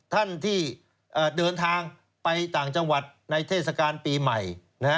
ท่านที่เดินทางไปต่างจังหวัดในเทศกาลปีใหม่